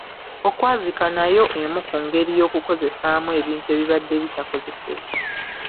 Okwazika nayo emu ku ngeri y'okukozesaamu ebintu ebibadde bitakozesebwa.